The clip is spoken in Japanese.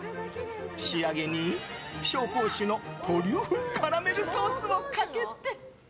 仕上げに紹興酒のトリュフカラメルソースをかけて。